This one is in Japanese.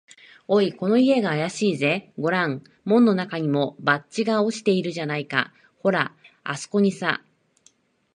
「おい、この家があやしいぜ。ごらん、門のなかにも、バッジが落ちているじゃないか。ほら、あすこにさ」